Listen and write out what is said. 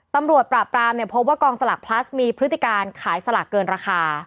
ตำรวจปราบปรามเนี่ยพบว่ากองสลากพลัสมีพฤติการขายสลากเกินราคา